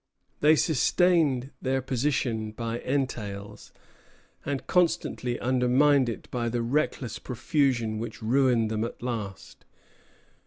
They sustained their position by entails, and constantly undermined it by the reckless profusion which ruined them at last.